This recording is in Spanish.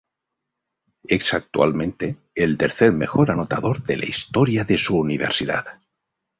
Es actualmente el tercer mejor anotador de la historia de su universidad.